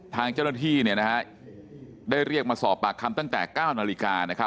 ทางเจ้าหน้าที่ได้เรียกมาสอบปากคำตั้งแต่๙นาฬิกา